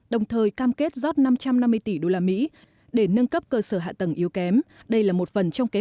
đồng thời cam kết rót năm trăm năm mươi tỷ usd để nâng cấp cơ sở hạ tầng yếu kém đây là một phần trong kế